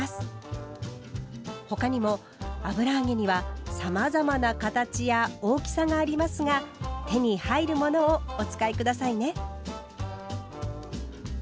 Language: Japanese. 他にも油揚げにはさまざまな形や大きさがありますが手に入るものをお使い下さいね。